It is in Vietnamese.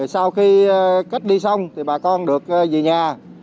sau khi cách đi xong thì bà con được về nhà